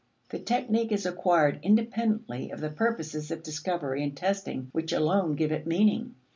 The technique is acquired independently of the purposes of discovery and testing which alone give it meaning.